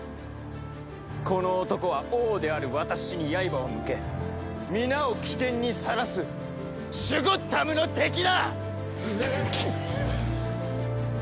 この男は王である私に刃を向け皆を危険にさらすシュゴッダムの敵だ！敵！？